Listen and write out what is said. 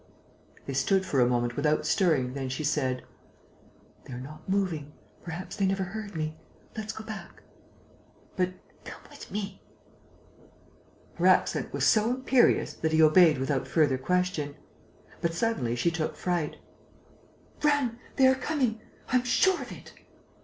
They stood for a moment without stirring; then she said: "They are not moving.... Perhaps they never heard me.... Let's go back...." "But...." "Come with me." Her accent was so imperious that he obeyed without further question. But suddenly she took fright: "Run!... They are coming!... I am sure of it!..."